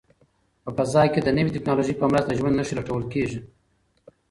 په فضا کې د نوې ټیکنالوژۍ په مرسته د ژوند نښې لټول کیږي.